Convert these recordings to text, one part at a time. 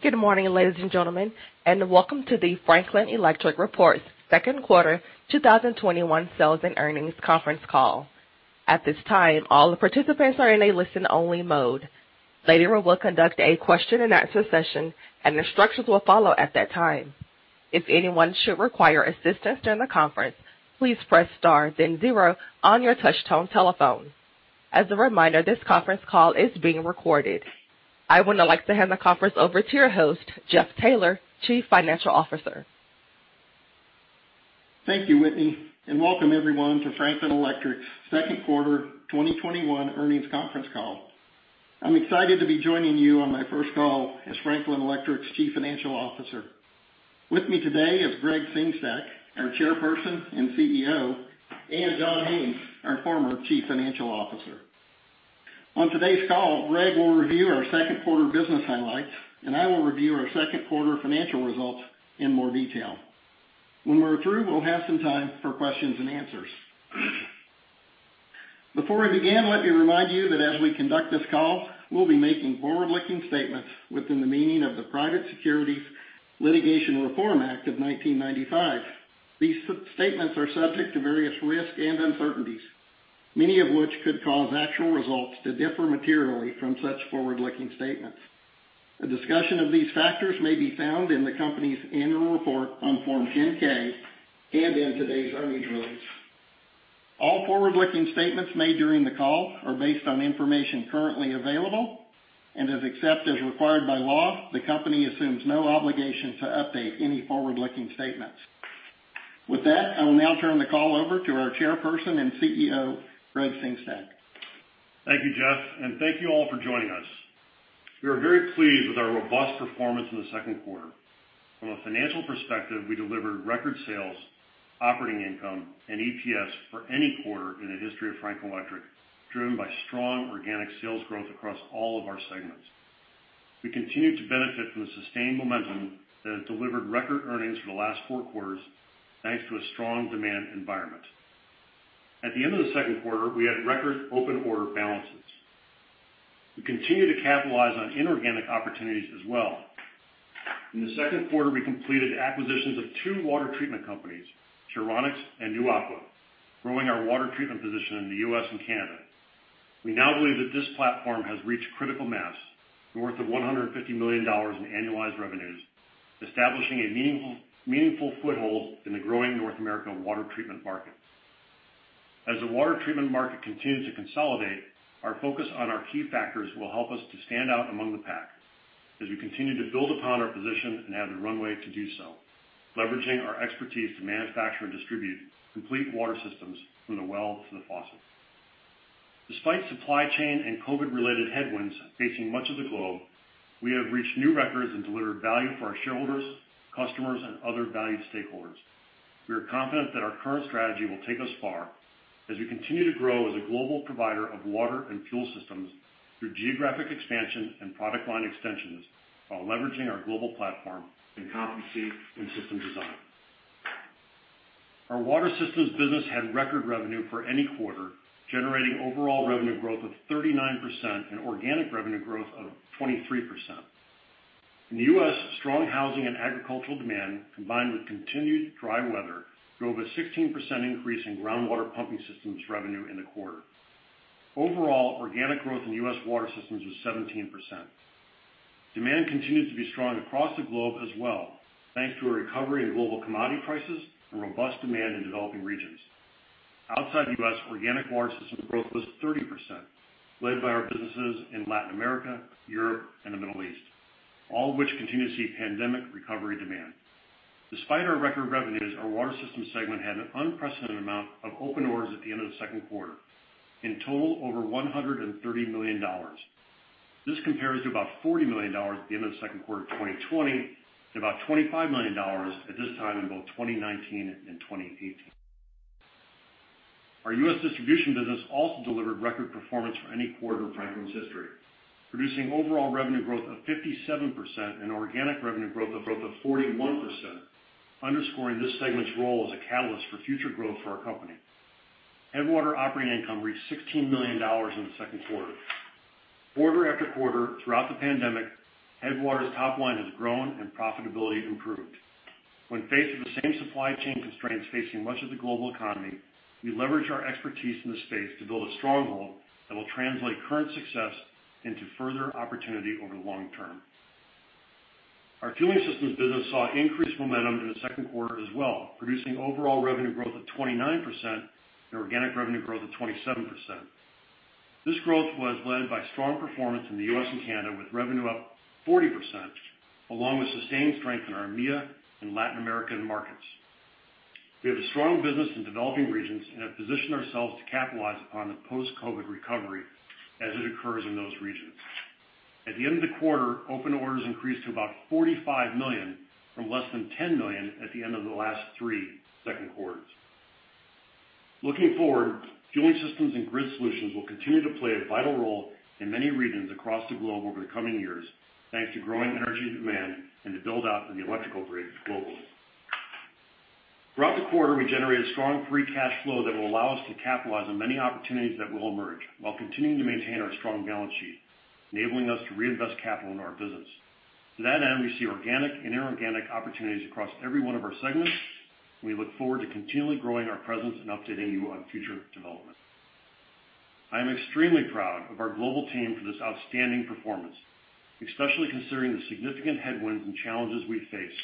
Good morning, ladies and gentlemen, and welcome to the Franklin Electric Report, second quarter 2021 sales and earnings conference call. At this time, all the participants are in a listen-only mode. Later, we will conduct a question-and-answer session, and instructions will follow at that time. If anyone should require assistance during the conference, please press star then zero on your touchtone telephone. As a reminder, this conference call is being recorded. I would now like to hand the conference over to your host, Jeff Taylor, Chief Financial Officer. Thank you, Whitney, and welcome everyone to Franklin Electric's second quarter 2021 earnings conference call. I'm excited to be joining you on my first call as Franklin Electric's Chief Financial Officer. With me today is Gregg Sengstack, our Chairperson and CEO, and John Haines, our former Chief Financial Officer. On today's call, Gregg will review our second quarter business highlights, and I will review our second quarter financial results in more detail. When we're through, we'll have some time for questions and answers. Before we begin, let me remind you that as we conduct this call, we'll b`e making forward-looking statements within the meaning of the Private Securities Litigation Reform Act of 1995. These statements are subject to various risks and uncertainties, many of which could cause actual results to differ materially from such forward-looking statements. A discussion of these factors may be found in the company's annual report on Form 10-K and in today's earnings release. All forward-looking statements made during the call are based on information currently available, and except as required by law, the company assumes no obligation to update any forward-looking statements. With that, I will now turn the call over to our Chairperson and CEO, Gregg Sengstack. Thank you, Jeff, and thank you all for joining us. We are very pleased with our robust performance in the second quarter. From a financial perspective, we delivered record sales, operating income, and EPS for any quarter in the history of Franklin Electric, driven by strong organic sales growth across all of our segments. We continued to benefit from the sustained momentum that has delivered record earnings for the last four quarters, thanks to a strong demand environment. At the end of the second quarter, we had record open order balances. We continued to capitalize on inorganic opportunities as well. In the second quarter, we completed acquisitions of two water treatment companies, Puronics and New Aqua, growing our water treatment position in the U.S. and Canada. We now believe that this platform has reached critical mass, worth $150 million in annualized revenues, establishing a meaningful, meaningful foothold in the growing North American water treatment markets. As the water treatment market continues to consolidate, our focus on our key factors will help us to stand out among the pack as we continue to build upon our position and have the runway to do so, leveraging our expertise to manufacture and distribute complete Water Systems from the well to the faucet. Despite supply chain and COVID-related headwinds facing much of the globe, we have reached new records and delivered value for our shareholders, customers, and other valued stakeholders. We are confident that our current strategy will take us far as we continue to grow as a global provider of water and fuel systems through geographic expansion and product line extensions, while leveraging our global platform and competency in system design. Our Water Systems business had record revenue for any quarter, generating overall revenue growth of 39% and organic revenue growth of 23%. In the U.S., strong housing and agricultural demand, combined with continued dry weather, drove a 16% increase in groundwater pumping systems revenue in the quarter. Overall, organic growth in U.S. Water Systems was 17%. Demand continues to be strong across the globe as well, thanks to a recovery in global commodity prices and robust demand in developing regions. Outside the U.S., organic Water Systems growth was 30%, led by our businesses in Latin America, Europe, and the Middle East, all of which continue to see pandemic recovery demand. Despite our record revenues, our Water Systems segment had an unprecedented amount of open orders at the end of the second quarter. In total, over $130 million. This compares to about $40 million at the end of the second quarter of 2020, and about $25 million at this time in both 2019 and 2018. Our US Distribution business also delivered record performance for any quarter of Franklin's history, producing overall revenue growth of 57% and organic revenue growth of 41%, underscoring this segment's role as a catalyst for future growth for our company. Headwater operating income reached $16 million in the second quarter. Quarter after quarter, throughout the pandemic, Headwater's top line has grown and profitability improved. When faced with the same supply chain constraints facing much of the global economy, we leveraged our expertise in this space to build a stronghold that will translate current success into further opportunity over the long term. Our Fueling Systems business saw increased momentum in the second quarter as well, producing overall revenue growth of 29% and organic revenue growth of 27%. This growth was led by strong performance in the U.S. and Canada, with revenue up 40%, along with sustained strength in our EMEA and Latin American markets. We have a strong business in developing regions and have positioned ourselves to capitalize upon the post-COVID recovery as it occurs in those regions. At the end of the quarter, open orders increased to about $45 million, from less than $10 million at the end of the last three quarters. Looking forward, Fueling Systems and Grid Solutions will continue to play a vital role in many regions across the globe over the coming years, thanks to growing energy demand and the build-out of the electrical grids globally.... Throughout the quarter, we generated strong free cash flow that will allow us to capitalize on many opportunities that will emerge, while continuing to maintain our strong balance sheet, enabling us to reinvest capital in our business. To that end, we see organic and inorganic opportunities across every one of our segments. We look forward to continually growing our presence and updating you on future development. I am extremely proud of our global team for this outstanding performance, especially considering the significant headwinds and challenges we face.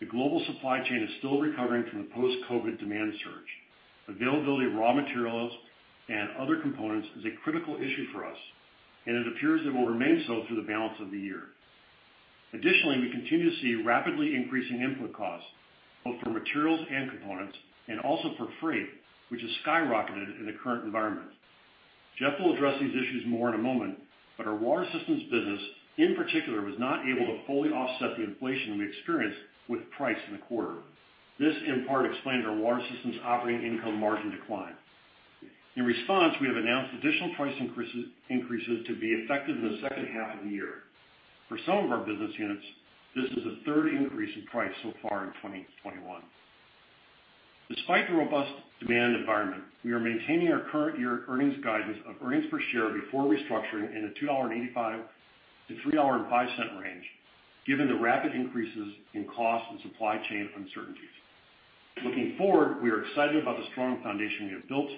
The global supply chain is still recovering from the post-COVID demand surge. Availability of raw materials and other components is a critical issue for us, and it appears it will remain so through the balance of the year. Additionally, we continue to see rapidly increasing input costs, both for materials and components, and also for freight, which has skyrocketed in the current environment. Jeff will address these issues more in a moment, but our Water Systems business, in particular, was not able to fully offset the inflation we experienced with price in the quarter. This, in part, explained our Water Systems operating income margin decline. In response, we have announced additional price increases, increases to be effective in the second half of the year. For some of our business units, this is the third increase in price so far in 2021. Despite the robust demand environment, we are maintaining our current year earnings guidance of earnings per share before restructuring in a $2.85-$3.05 range, given the rapid increases in costs and supply chain uncertainties. Looking forward, we are excited about the strong foundation we have built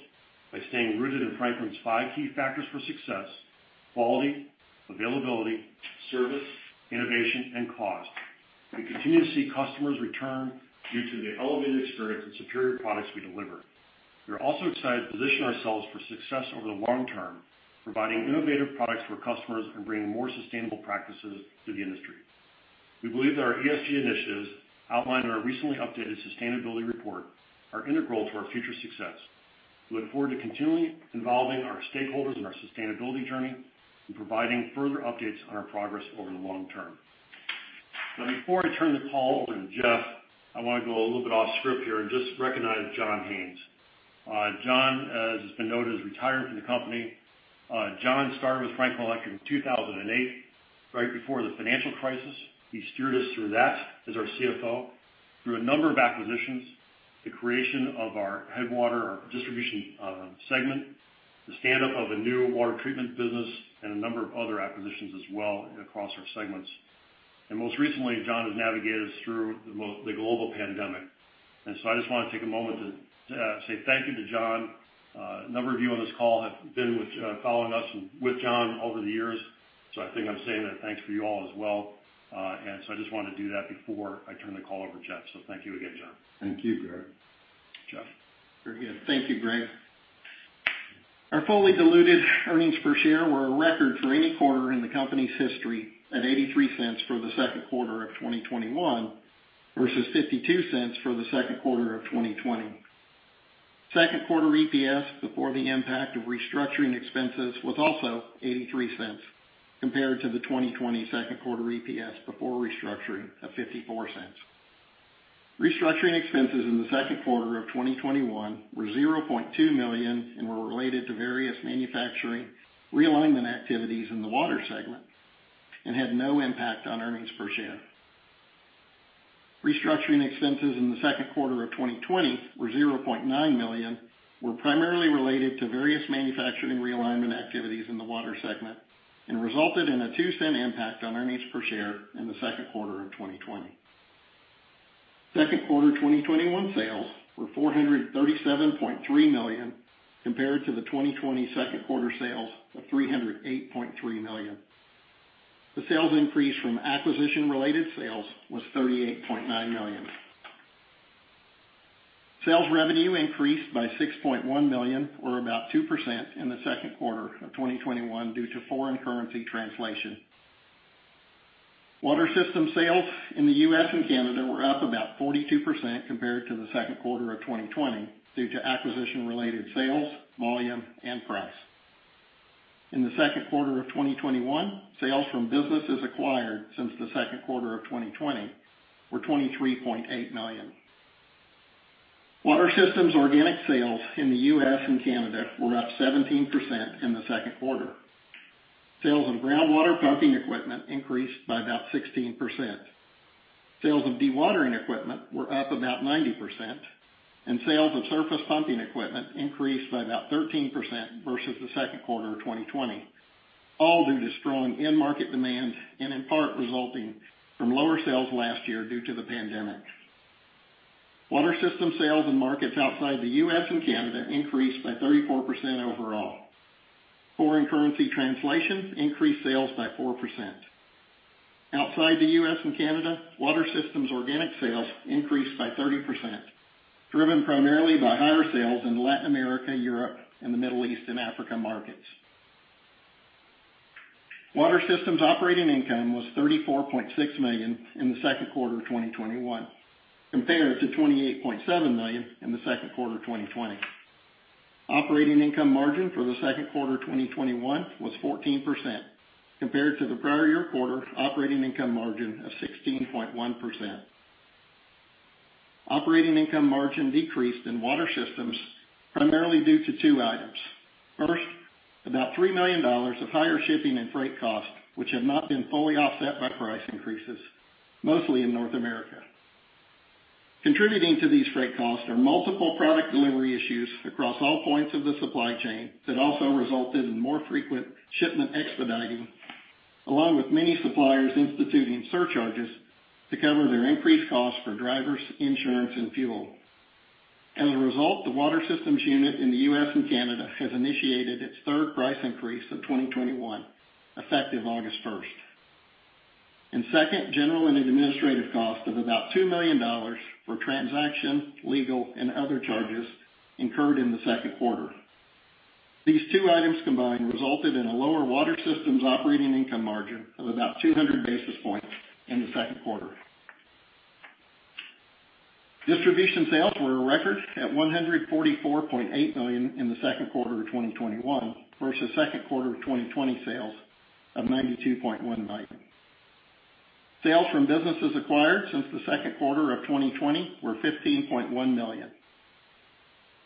by staying rooted in Franklin's five key factors for success: quality, availability, service, innovation, and cost. We continue to see customers return due to the elevated experience and superior products we deliver. We are also excited to position ourselves for success over the long term, providing innovative products for customers and bringing more sustainable practices to the industry. We believe that our ESG initiatives, outlined in our recently updated sustainability report, are integral to our future success. We look forward to continually involving our stakeholders in our sustainability journey and providing further updates on our progress over the long term. Now, before I turn the call over to Jeff, I wanna go a little bit off script here and just recognize John Haines. John, as has been noted, is retiring from the company. John started with Franklin Electric in 2008, right before the financial crisis. He steered us through that as our CFO, through a number of acquisitions, the creation of our Headwater, our distribution segment, the stand-up of a new water treatment business, and a number of other acquisitions as well across our segments. And most recently, John has navigated us through the global pandemic. And so I just wanna take a moment to say thank you to John. A number of you on this call have been with, following us with John over the years, so I think I'm saying that. Thanks for you all as well. I just want to do that before I turn the call over to Jeff. Thank you again, John. Thank you, Gregg. Jeff? Very good. Thank you, Gregg. Our fully diluted earnings per share were a record for any quarter in the company's history, at $0.83 for the second quarter of 2021, versus $0.52 for the second quarter of 2020. Second quarter EPS, before the impact of restructuring expenses, was also $0.83, compared to the 2020 second quarter EPS before restructuring of $0.54. Restructuring expenses in the second quarter of 2021 were $0.2 million and were related to various manufacturing realignment activities in the water segment and had no impact on earnings per share. Restructuring expenses in the second quarter of 2020 were $0.9 million, were primarily related to various manufacturing realignment activities in the water segment and resulted in a $0.02 impact on earnings per share in the second quarter of 2020. Second quarter 2021 sales were $437.3 million, compared to the 2020 second quarter sales of $308.3 million. The sales increase from acquisition-related sales was $38.9 million. Sales revenue increased by $6.1 million, or about 2% in the second quarter of 2021, due to foreign currency translation. Water Systems sales in the U.S. and Canada were up about 42% compared to the second quarter of 2020, due to acquisition-related sales, volume, and price. In the second quarter of 2021, sales from businesses acquired since the second quarter of 2020 were $23.8 million. Water Systems organic sales in the U.S. and Canada were up 17% in the second quarter. Sales of groundwater pumping equipment increased by about 16%. Sales of dewatering equipment were up about 90%, and sales of surface pumping equipment increased by about 13% versus the second quarter of 2020, all due to strong end-market demand and in part, resulting from lower sales last year due to the pandemic. Water Systems sales in markets outside the U.S. and Canada increased by 34% overall. Foreign currency translations increased sales by 4%. Outside the U.S. and Canada, Water Systems organic sales increased by 30%, driven primarily by higher sales in Latin America, Europe, and the Middle East and Africa markets. Water Systems operating income was $34.6 million in the second quarter of 2021, compared to $28.7 million in the second quarter of 2020. Operating income margin for the second quarter of 2021 was 14%, compared to the prior year quarter operating income margin of 16.1%. Operating income margin decreased in Water Systems, primarily due to two items. First, about $3 million of higher shipping and freight costs, which have not been fully offset by price increases, mostly in North America. Contributing to these freight costs are multiple product delivery issues across all points of the supply chain that also resulted in more frequent shipment expediting, along with many suppliers instituting surcharges to cover their increased costs for drivers, insurance, and fuel. As a result, the Water Systems unit in the U.S. and Canada has initiated its 3rd price increase of 2021, effective August first. And second, general and administrative costs of about $2 million for transaction, legal, and other charges incurred in the second quarter. These two items combined resulted in a lower Water Systems operating income margin of about 200 basis points in the second quarter. Distribution sales were a record at $144.8 million in the second quarter of 2021 versus second quarter of 2020 sales of $92.1 million. Sales from businesses acquired since the second quarter of 2020 were $15.1 million.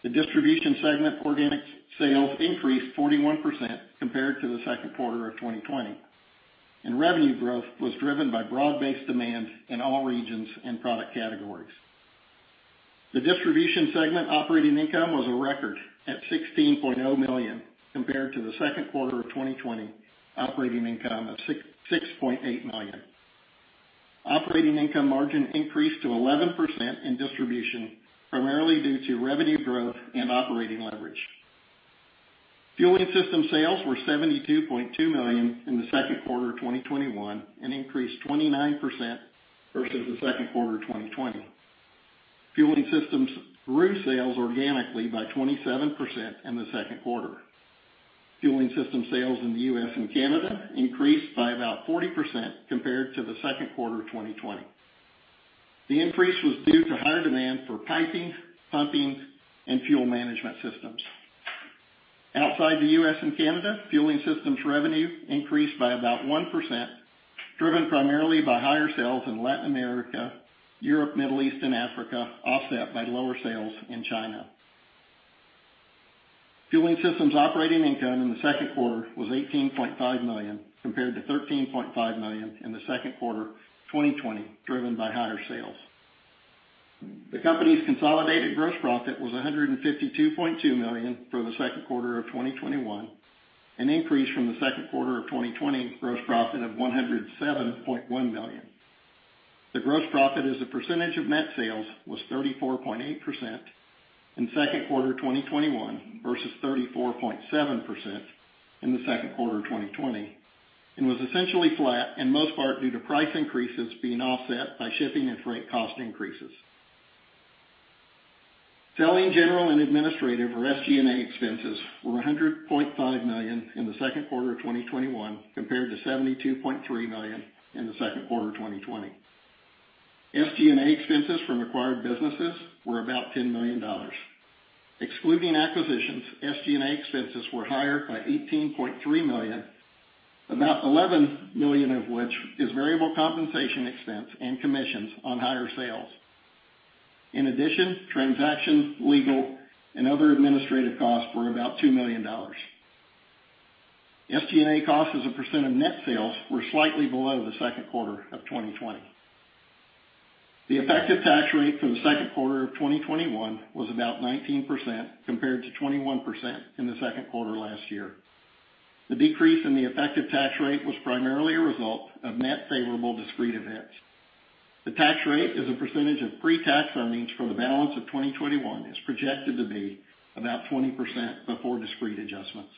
The distribution segment organic sales increased 41% compared to the second quarter of 2020, and revenue growth was driven by broad-based demand in all regions and product categories. The distribution segment operating income was a record at $16.0 million compared to the second quarter of 2020 operating income of $6.8 million. Operating income margin increased to 11% in distribution, primarily due to revenue growth and operating leverage. Fueling Systems sales were $72.2 million in the second quarter of 2021, and increased 29% versus the second quarter of 2020. Fueling Systems grew sales organically by 27% in the second quarter. Fueling Systems sales in the U.S. and Canada increased by about 40% compared to the second quarter of 2020. The increase was due to higher demand for piping, pumping, and fuel management systems. Outside the U.S. and Canada, Fueling Systems revenue increased by about 1%, driven primarily by higher sales in Latin America, Europe, Middle East, and Africa, offset by lower sales in China. Fueling Systems operating income in the second quarter was $18.5 million, compared to $13.5 million in the second quarter of 2020, driven by higher sales. The company's consolidated gross profit was $152.2 million for the second quarter of 2021, an increase from the second quarter of 2020 gross profit of $107.1 million. The gross profit as a percentage of net sales was 34.8% in second quarter of 2021 versus 34.7% in the second quarter of 2020, and was essentially flat in most part due to price increases being offset by shipping and freight cost increases. Selling, general, and administrative, or SG&A expenses, were $100.5 million in the second quarter of 2021 compared to $72.3 million in the second quarter of 2020. SG&A expenses from acquired businesses were about $10 million. Excluding acquisitions, SG&A expenses were higher by $18.3 million, about $11 million of which is variable compensation expense and commissions on higher sales. In addition, transaction, legal, and other administrative costs were about $2 million. SG&A costs as a percent of net sales were slightly below the second quarter of 2020. The effective tax rate for the second quarter of 2021 was about 19%, compared to 21% in the second quarter last year. The decrease in the effective tax rate was primarily a result of net favorable discrete events. The tax rate as a percentage of pre-tax earnings for the balance of 2021 is projected to be about 20% before discrete adjustments.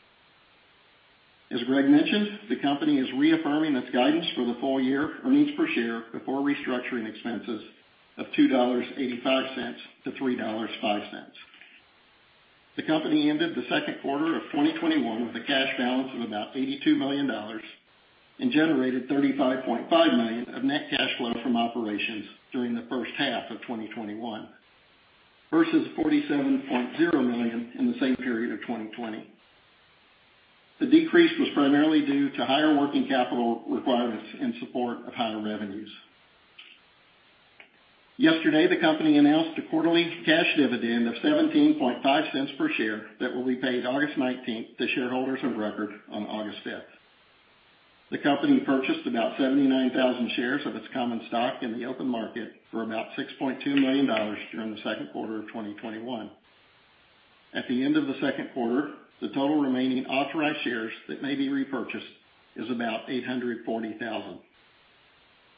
As Gregg mentioned, the company is reaffirming its guidance for the full year earnings per share before restructuring expenses of $2.85-$3.05. The company ended the second quarter of 2021 with a cash balance of about $82 million and generated $35.5 million of net cash flow from operations during the first half of 2021, versus $47.0 million in the same period of 2020. The decrease was primarily due to higher working capital requirements in support of higher revenues. Yesterday, the company announced a quarterly cash dividend of $0.175 per share that will be paid August nineteenth to shareholders of record on August fifth. The company purchased about 79,000 shares of its common stock in the open market for about $6.2 million during the second quarter of 2021. At the end of the second quarter, the total remaining authorized shares that may be repurchased is about 840,000.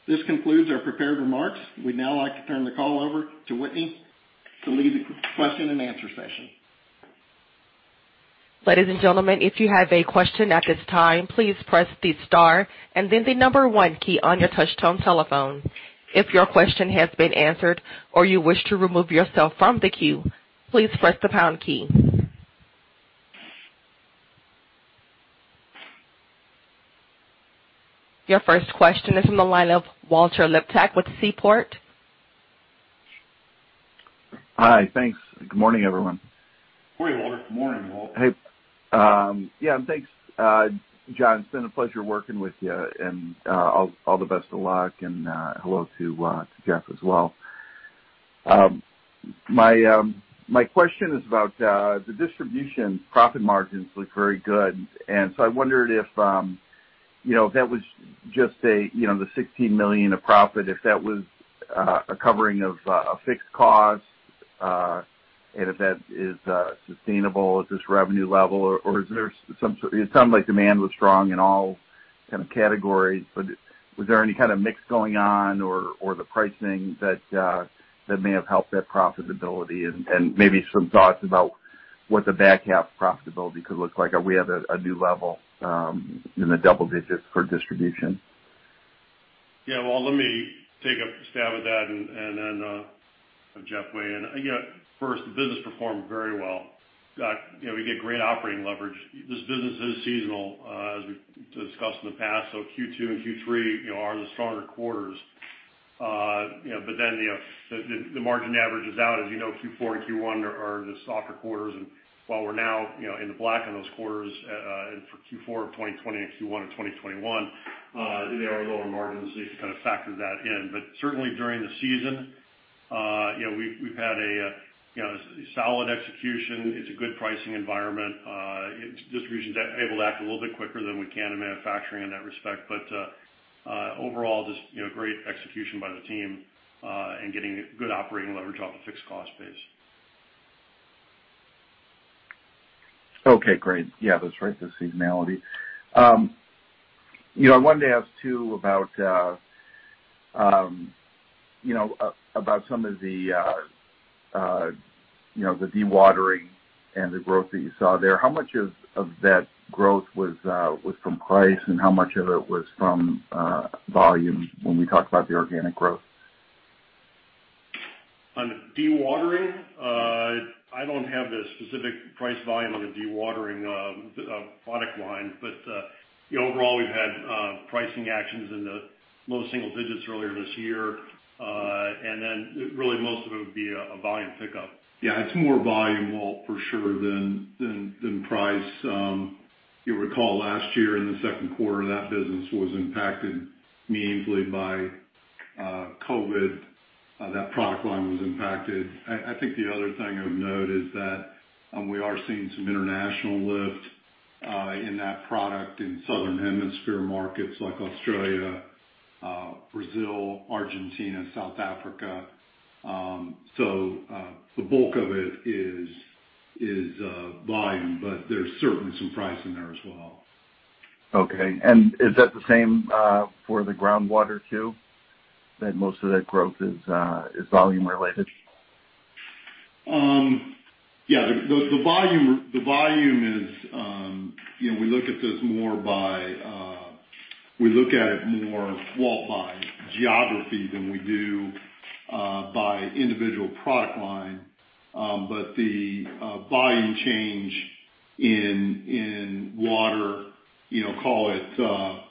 This concludes our prepared remarks. We'd now like to turn the call over to Whitney to lead the question and answer session. Ladies and gentlemen, if you have a question at this time, please press the star and then the number one key on your touchtone telephone. If your question has been answered or you wish to remove yourself from the queue, please press the pound key. Your first question is from the line of Walter Liptak with Seaport. Hi. Thanks. Good morning, everyone. Good morning, Walter. Morning, Walter. Hey, yeah, and thanks, John. It's been a pleasure working with you, and all the best of luck, and hello to Jeff as well. My question is about the distribution profit margins look very good. And so I wondered if, you know, if that was just a, you know, the $16 million of profit, if that was a covering of a fixed cost, and if that is sustainable at this revenue level, or is there some sort—it sounds like demand was strong in all kind of categories, but was there any kind of mix going on or, or the pricing that that may have helped that profitability? And maybe some thoughts about what the back half profitability could look like. Are we at a new level in the double digits for distribution? Yeah, well, let me take a stab at that, and then Jeff weigh in. Again, first, the business performed very well. You know, we get great operating leverage. This business is seasonal, as we discussed in the past, so Q2 and Q3, you know, are the stronger quarters. You know, but then the margin averages out. As you know, Q4 and Q1 are the softer quarters. And while we're now, you know, in the black on those quarters, and for Q4 of 2020 and Q1 of 2021, they are lower margins. You kind of factor that in. But certainly during the season, you know, we've had a solid execution. It's a good pricing environment. Distribution's able to act a little bit quicker than we can in manufacturing in that respect. Overall, just, you know, great execution by the team, and getting good operating leverage off a fixed cost base. Okay, great. Yeah, that's right, the seasonality. You know, I wanted to ask, too, about you know, about some of the you know, the dewatering and the growth that you saw there. How much of that growth was from price, and how much of it was from volume when we talk about the organic growth? On dewatering, I don't have the specific price volume on the dewatering product line. But, you know, overall, we've had pricing actions in the low single digits earlier this year. And then really most of it would be a volume pickup. Yeah, it's more volume, Walt, for sure, than price. You'll recall last year in the second quarter, that business was impacted meaningfully by COVID. That product line was impacted. I think the other thing of note is that we are seeing some international lift in that product in Southern Hemisphere markets like Australia, Brazil, Argentina, South Africa. So the bulk of it is volume, but there's certainly some price in there as well. Okay. And is that the same for the groundwater, too, that most of that growth is volume related? Yeah, the volume is, you know, we look at this more by, we look at it more Walt, by geography than we do by individual product line. But the volume change in water, you know, call it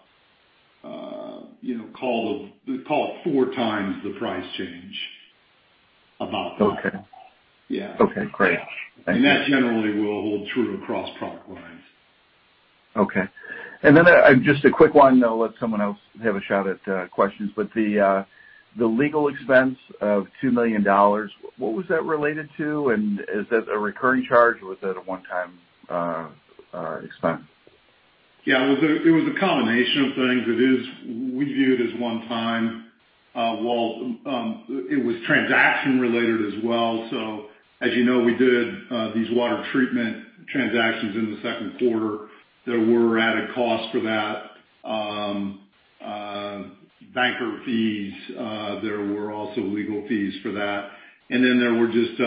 four times the price change, about that. Okay. Yeah. Okay, great. Thank you. That generally will hold true across product lines. Okay. And then, just a quick one, then I'll let someone else have a shot at questions. But the legal expense of $2 million, what was that related to, and is that a recurring charge, or was that a one-time expense? Yeah, it was, it was a combination of things. It is, we view it as one time, Walt. It was transaction related as well. So as you know, we did these water treatment transactions in the second quarter. There were added costs for that, banker fees, there were also legal fees for that. And then there were just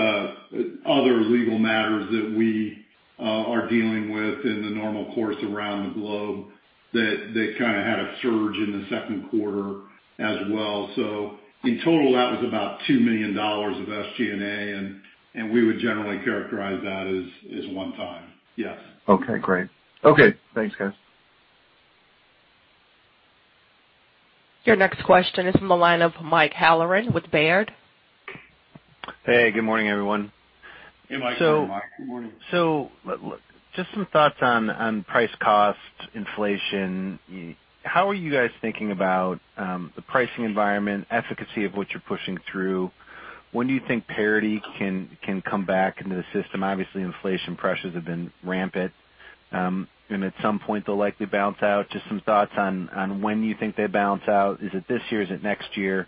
other legal matters that we are dealing with in the normal course around the globe, that kind of had a surge in the second quarter as well. So in total, that was about $2 million of SG&A, and we would generally characterize that as one time. Yes. Okay, great. Okay. Thanks, guys. Your next question is from the line of Mike Halloran with Baird. Hey, good morning, everyone. Hey, Mike. Good morning. So just some thoughts on price cost, inflation. How are you guys thinking about the pricing environment, efficacy of what you're pushing through? When do you think parity can come back into the system? Obviously, inflation pressures have been rampant, and at some point, they'll likely balance out. Just some thoughts on when you think they balance out. Is it this year? Is it next year?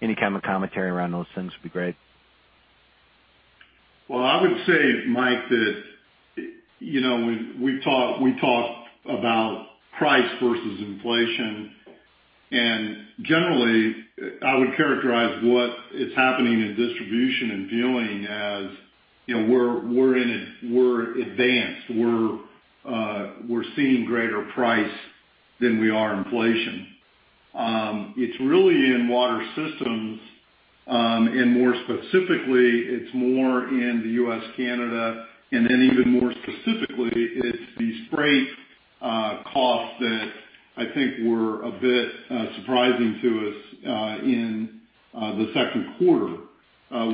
Any kind of commentary around those things would be great. Well, I would say, Mike, that, you know, when we've talked, we talked about price versus inflation, and generally, I would characterize what is happening in distribution and Fueling as, you know, we're ahead. We're seeing greater price than we are inflation. It's really in Water Systems, and more specifically, it's more in the U.S., Canada, and then even more specifically, it's the freight costs that I think were a bit surprising to us in the second quarter.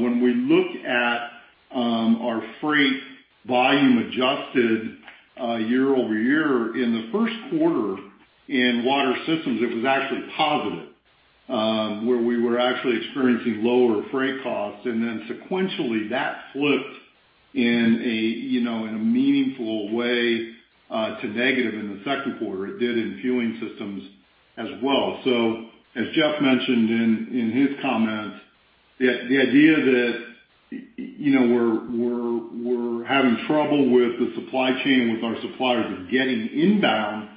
When we look at our freight volume adjusted year-over-year in the first quarter in Water Systems, it was actually positive, where we were actually experiencing lower freight costs. And then sequentially, that flipped in a, you know, in a meaningful way to negative in the second quarter. It did in Fueling Systems as well. So as Jeff mentioned in his comments, the idea that, you know, we're having trouble with the supply chain, with our suppliers of getting inbound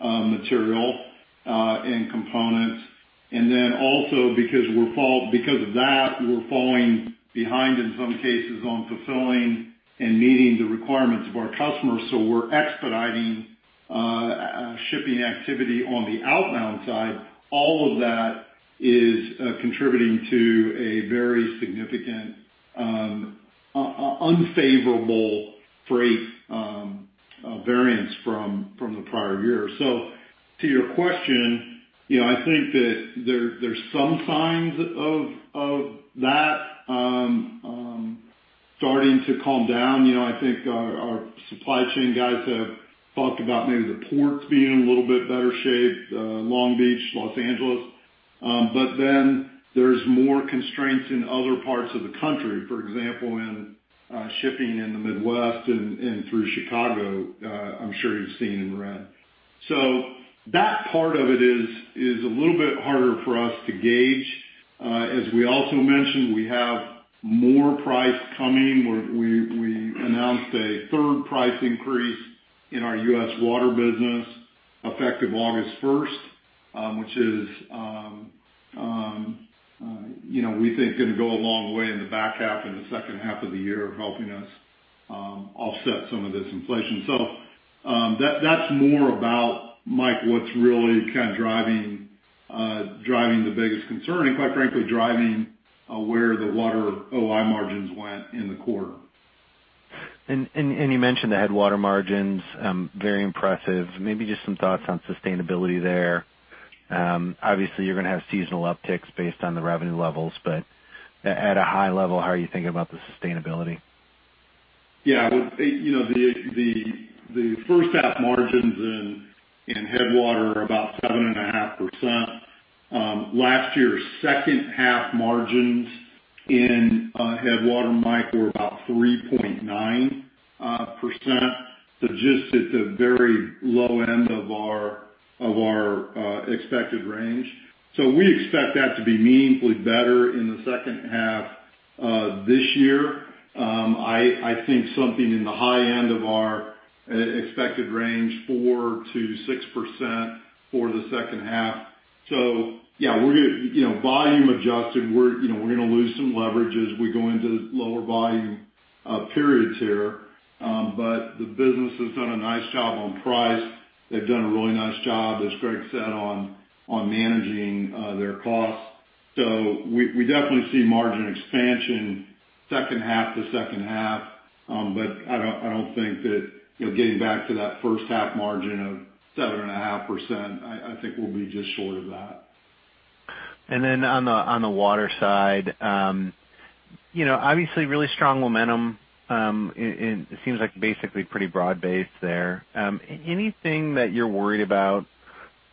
material and components, and then also, because of that, we're falling behind, in some cases, on fulfilling and meeting the requirements of our customers. So we're expediting shipping activity on the outbound side. All of that is contributing to a very significant unfavorable freight variance from the prior year. So to your question, you know, I think that there's some signs of that starting to calm down. You know, I think our supply chain guys have talked about maybe the ports being in a little bit better shape, Long Beach, Los Angeles. But then there's more constraints in other parts of the country, for example, in shipping in the Midwest and through Chicago. I'm sure you've seen and read. So that part of it is a little bit harder for us to gauge. As we also mentioned, we have more price coming, where we announced a 3rd price increase in our US water business, effective August 1st, which is, you know, we think going to go a long way in the back half, in the second half of the year of helping us offset some of this inflation. So, that's more about, Mike, what's really kind of driving the biggest concern, and quite frankly, driving where the water OI margins went in the quarter. You mentioned the Headwater margins, very impressive. Maybe just some thoughts on sustainability there. Obviously, you're gonna have seasonal upticks based on the revenue levels, but at a high level, how are you thinking about the sustainability? Yeah, I would, you know, the first half margins in Headwater are about 7.5%. Last year's second half margins in Headwater, Mike, were about 3.9%. So just at the very low end of our expected range. So we expect that to be meaningfully better in the second half this year. I think something in the high end of our expected range, 4%-6% for the second half. So yeah, we're gonna, you know, volume adjusted, we're gonna lose some leverage as we go into lower volume periods here. But the business has done a nice job on price. They've done a really nice job, as Gregg said, on managing their costs. So we definitely see margin expansion second half to second half. But I don't think that, you know, getting back to that first half margin of 7.5%, I think we'll be just short of that. And then on the water side, you know, obviously really strong momentum, and it seems like basically pretty broad-based there. Anything that you're worried about,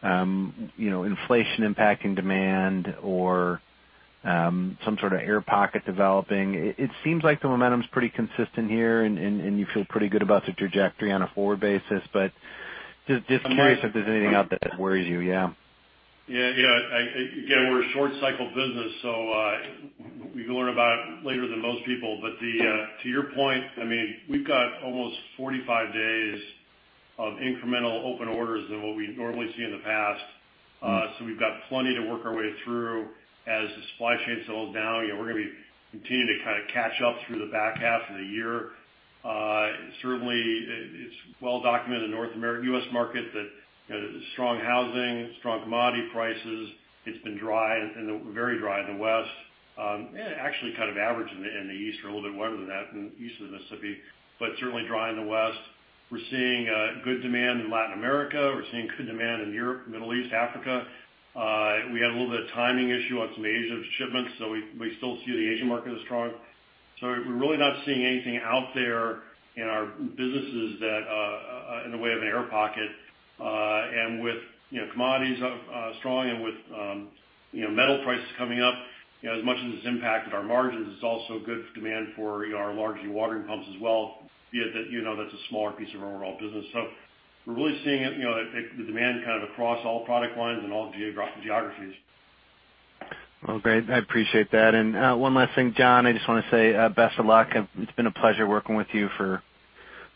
you know, inflation impacting demand or some sort of air pocket developing? It seems like the momentum's pretty consistent here, and you feel pretty good about the trajectory on a forward basis. But just curious if there's anything out there that worries you, yeah. Yeah. Yeah, again, we're a short cycle business, so we can learn about it later than most people. But the, to your point, I mean, we've got almost 45 days of incremental open orders than what we normally see in the past. So we've got plenty to work our way through as the supply chain settles down. You know, we're gonna be continuing to kind of catch up through the back half of the year. Certainly, it, it's well documented in North American US market that, you know, strong housing, strong commodity prices, it's been dry and very dry in the West. Actually, kind of average in the East, or a little bit wetter than that in the East of the Mississippi, but certainly dry in the West. We're seeing good demand in Latin America. We're seeing good demand in Europe, Middle East, Africa. We had a little bit of timing issue on some Asia shipments, so we still see the Asian market as strong. So we're really not seeing anything out there in our businesses that in the way of an air pocket. And with you know, commodities strong and with you know, metal prices coming up, you know, as much as it's impacted our margins, it's also good demand for you know, our larger watering pumps as well, be it that you know, that's a smaller piece of our overall business. So we're really seeing the demand kind of across all product lines and all geographies. Well, great. I appreciate that. And, one last thing, John, I just wanna say, best of luck. It's been a pleasure working with you for,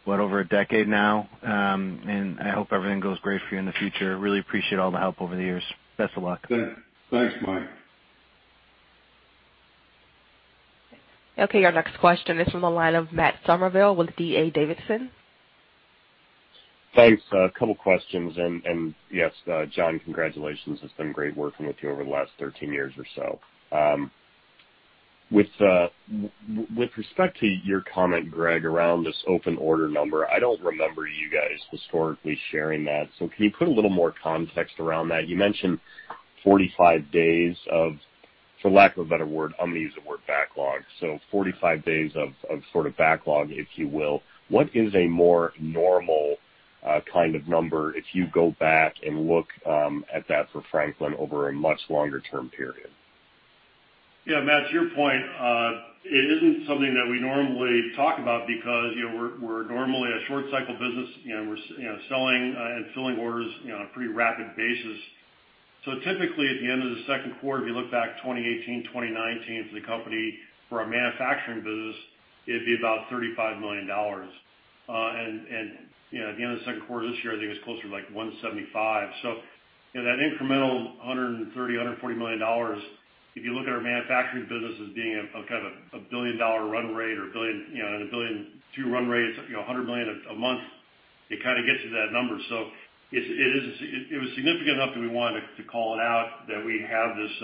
what, over a decade now? And I hope everything goes great for you in the future. Really appreciate all the help over the years. Best of luck. Thanks, Mike. Okay, our next question is from the line of Matt Somerville with D.A. Davidson. Thanks. A couple questions. Yes, John, congratulations. It's been great working with you over the last 13 years or so. With respect to your comment, Gregg, around this open order number, I don't remember you guys historically sharing that. So can you put a little more context around that? You mentioned 45 days of, for lack of a better word, I'm gonna use the word backlog. So 45 days of sort of backlog, if you will. What is a more normal kind of number, if you go back and look at that for Franklin over a much longer term period? Yeah, Matt, to your point, it isn't something that we normally talk about because, you know, we're normally a short cycle business, you know, we're selling and filling orders, you know, on a pretty rapid basis. So typically, at the end of the second quarter, if you look back 2018, 2019 for the company, for our manufacturing business, it'd be about $35 million. And, you know, at the end of the second quarter this year, I think it was closer to, like, 175. So, you know, that incremental $130-$140 million, if you look at our manufacturing business as being a kind of a $1 billion run rate or a $1.2 billion run rate, you know, $100 million a month, it kind of gets you that number. It was significant enough that we wanted to call it out, that we have this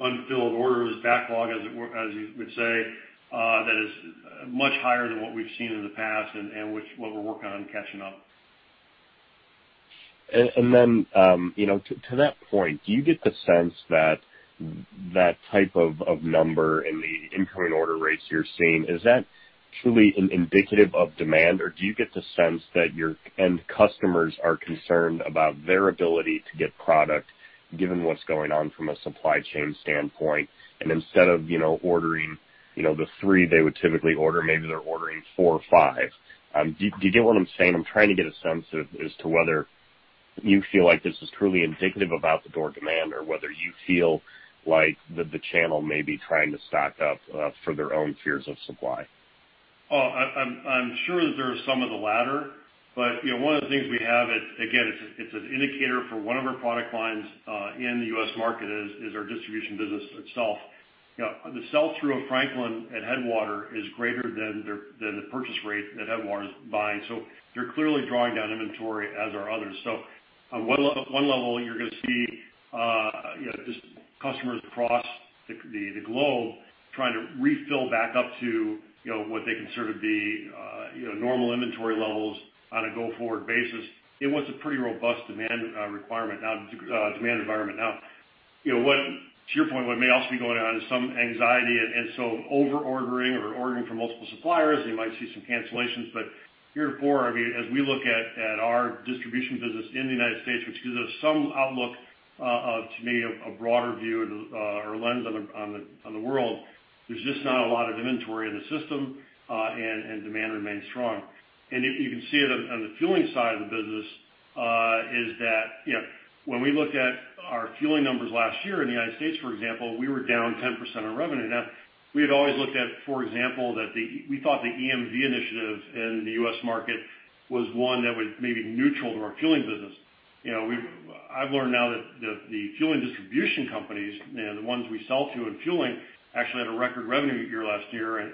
unfilled orders backlog, as it were, as you would say, that is much higher than what we've seen in the past and what we're working on catching up. And then, you know, to that point, do you get the sense that that type of number in the incoming order rates you're seeing is truly indicative of demand? Or do you get the sense that your end customers are concerned about their ability to get product, given what's going on from a supply chain standpoint, and instead of, you know, ordering the three they would typically order, maybe they're ordering four or five? Do you get what I'm saying? I'm trying to get a sense as to whether you feel like this is truly indicative of the underlying demand, or whether you feel like the channel may be trying to stock up for their own fears of supply. Well, I'm sure that there are some of the latter, but you know, one of the things we have, again, it's an indicator for one of our product lines in the US market is our distribution business itself. You know, the sell through of Franklin at Headwater is greater than the purchase rate that Headwater is buying. So they're clearly drawing down inventory, as are others. So on one level, you're gonna see you know, just customers across the globe trying to refill back up to you know, what they consider the normal inventory levels on a go-forward basis. It was a pretty robust demand requirement, now, demand environment. Now, you know what? To your point, what may also be going on is some anxiety, and so over-ordering or ordering from multiple suppliers, you might see some cancellations. But heretofore, I mean, as we look at our distribution business in the United States, which gives us some outlook of, to me, a broader view or lens on the world, there's just not a lot of inventory in the system, and demand remains strong. And you can see it on the Fueling side of the business is that, you know, when we looked at our Fueling numbers last year in the United States, for example, we were down 10% on revenue. Now, we had always looked at, for example, that we thought the EMV initiative in the U.S. market was one that was maybe neutral to our Fueling business. You know, we've—I've learned now that the Fueling distribution companies, and the ones we sell to in Fueling, actually had a record revenue year last year and,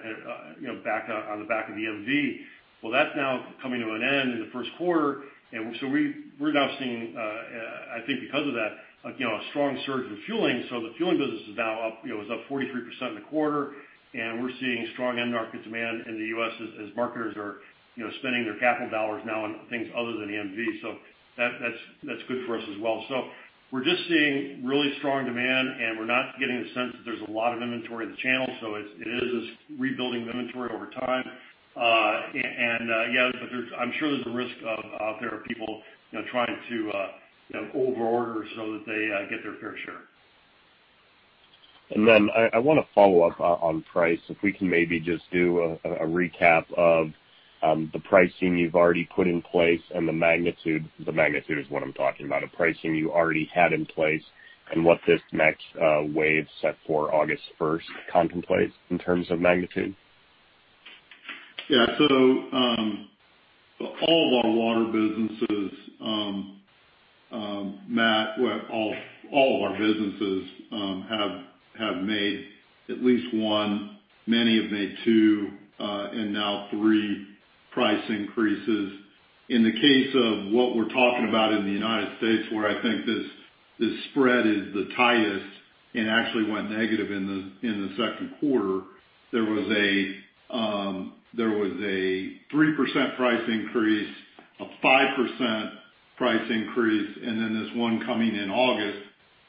you know, back on the back of EMV. Well, that's now coming to an end in the first quarter. And so we're now seeing, I think because of that, you know, a strong surge in Fueling. So the Fueling business is now up, you know, it was up 43% in the quarter, and we're seeing strong end market demand in the U.S. as marketers are, you know, spending their capital dollars now on things other than EMV. So that's good for us as well. So we're just seeing really strong demand, and we're not getting the sense that there's a lot of inventory in the channel. So it is this rebuilding the inventory over time. And yeah, but there's... I'm sure there's a risk of there are people, you know, trying to you know, overorder so that they get their fair share. Then, I wanna follow up on price, if we can maybe just do a recap of the pricing you've already put in place and the magnitude. The magnitude is what I'm talking about, the pricing you already had in place and what this next wave, set for August first, contemplates in terms of magnitude. Yeah. So, all of our water businesses, Matt, well, all of our businesses, have made at least one, many have made two, and now three price increases. In the case of what we're talking about in the United States, where I think this spread is the tightest and actually went negative in the second quarter, there was a three percent price increase, a five percent price increase, and then this one coming in August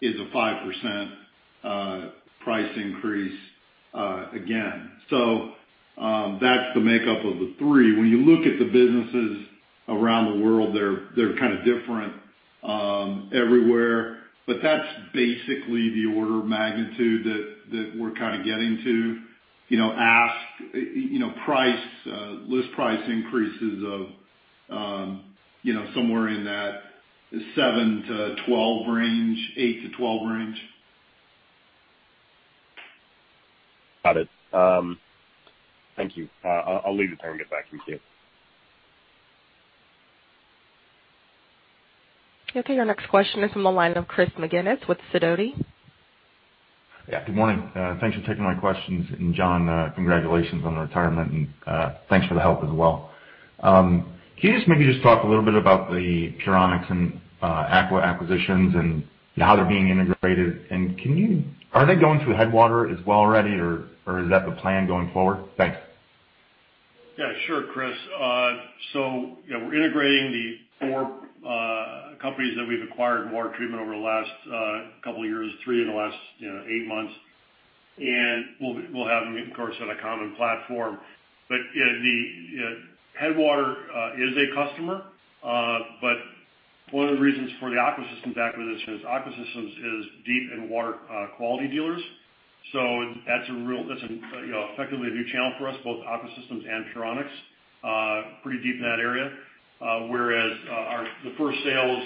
is a five percent price increase, again. So, that's the makeup of the three. When you look at the businesses around the world, they're kind of different everywhere, but that's basically the order of magnitude that we're kind of getting to, you know, as you know, list price increases of, you know, somewhere in that 7-12 range, 8-12 range. Got it. Thank you. I'll leave it there and get back with you. Okay, our next question is from the line of Chris McGinnis with Sidoti. Yeah, good morning. Thanks for taking my questions. And John, congratulations on the retirement, and thanks for the help as well. Can you just maybe just talk a little bit about the Puronics and Aqua acquisitions and how they're being integrated? And can you, are they going through Headwater as well already, or is that the plan going forward? Thanks. Yeah, sure, Chris. So, you know, we're integrating the four companies that we've acquired in water treatment over the last couple of years, three in the last, you know, eight months. And we'll have them, of course, on a common platform. But, yeah, the Headwater is a customer, but one of the reasons for the Aqua Systems acquisition is Aqua Systems is deep in water quality dealers. So that's a real – that's, you know, effectively a new channel for us, both Aqua Systems and Puronics, pretty deep in that area. Whereas, our – the first sales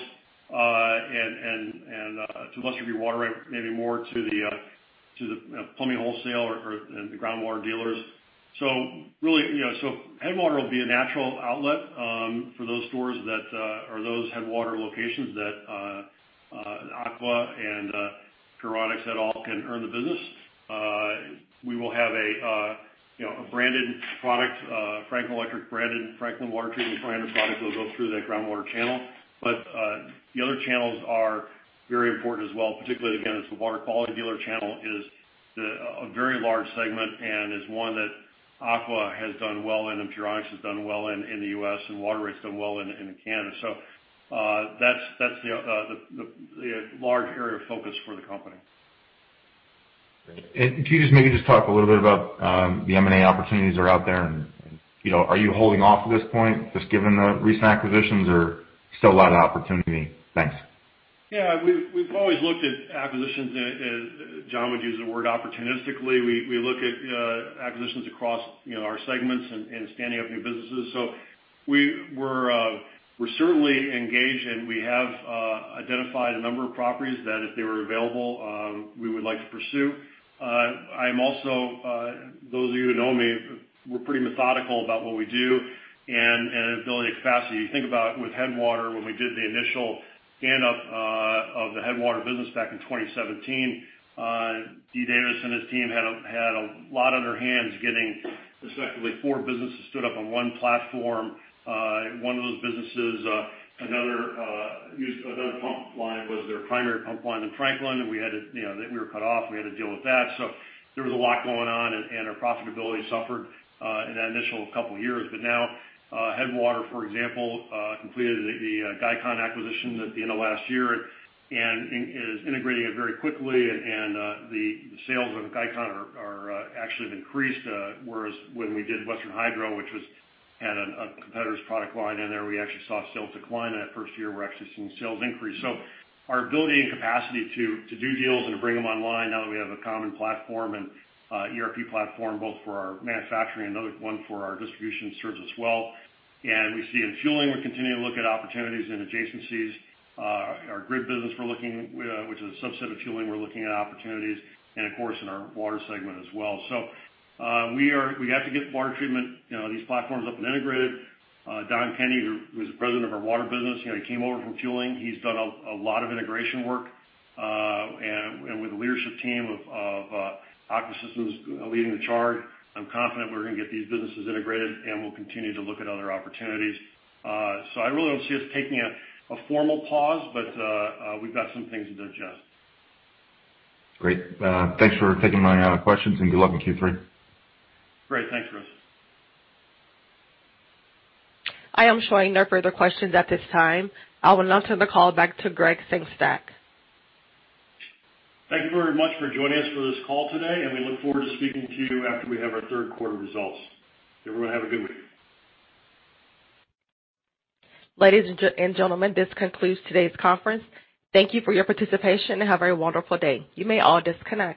and to Western Hydro, maybe more to the to the plumbing wholesaler or and the groundwater dealers. So really, you know, so Headwater will be a natural outlet, for those stores that, or those Headwater locations that, Aqua and, Puronics et al. can earn the business. We will have a, you know, a branded product, Franklin Electric branded, Franklin Water Treatment branded product that will go through that groundwater channel. But, the other channels are very important as well, particularly, again, as the water quality dealer channel is the, a very large segment and is one that Aqua has done well in, and Puronics has done well in, in the U.S., and Waterite's done well in, in Canada. So, that's, that's the, the, large area of focus for the company. Can you just maybe just talk a little bit about the M&A opportunities that are out there? You know, are you holding off at this point, just given the recent acquisitions, or still a lot of opportunity? Thanks. Yeah, we've always looked at acquisitions, as John would use the word, opportunistically. We look at acquisitions across, you know, our segments and standing up new businesses. So we're certainly engaged, and we have identified a number of properties that if they were available, we would like to pursue. I'm also, those of you who know me, we're pretty methodical about what we do and ability to capacity. You think about with Headwater, when we did the initial stand-up of the Headwater business back in 2017, D. Davis and his team had a lot on their hands getting effectively four businesses stood up on one platform. One of those businesses, another pump line, was their primary pump line in Franklin, and we had to... You know, they were cut off. We had to deal with that. So there was a lot going on, and our profitability suffered in that initial couple of years. But now, Headwater, for example, completed the Gicon acquisition at the end of last year and is integrating it very quickly and the sales of Gicon are actually have increased. Whereas when we did Western Hydro, which had a competitor's product line in there, we actually saw sales decline in that first year. We're actually seeing sales increase. So our ability and capacity to do deals and bring them online, now that we have a common platform and ERP platform, both for our manufacturing and another one for our distribution, serves us well. We see in Fueling, we're continuing to look at opportunities and adjacencies. Our grid business, we're looking, which is a subset of Fueling, we're looking at opportunities and, of course, in our water segment as well. We have to get water treatment, you know, these platforms up and integrated. Don Kenney, who is the president of our water business, you know, he came over from Fueling. He's done a lot of integration work, and with the leadership team of Aqua Systems, leading the charge. I'm confident we're gonna get these businesses integrated, and we'll continue to look at other opportunities. I really don't see us taking a formal pause, but we've got some things to digest. Great. Thanks for taking my questions, and good luck in Q3. Great. Thanks, Chris. I am showing no further questions at this time. I will now turn the call back to Gregg Sengstack. Thank you very much for joining us for this call today, and we look forward to speaking to you after we have our third quarter results. Everyone, have a good week. Ladies and gentlemen, this concludes today's conference. Thank you for your participation, and have a wonderful day. You may all disconnect.